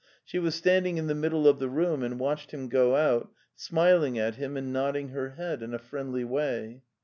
She was standing in the middle of the room and watched him go out, smiling at him and nodding her head ina friendly way.